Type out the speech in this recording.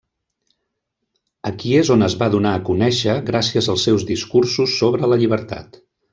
Aquí és on es va donar a conèixer gràcies als seus discursos sobre la llibertat.